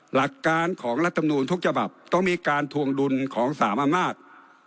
หลักการของรัฐมนูลทุกฉบับต้องมีการทวงดุลของสามอำนาจ